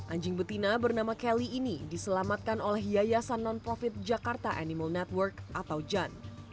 anjing betina bernama kelly ini diselamatkan oleh yayasan non profit jakarta animal network atau jan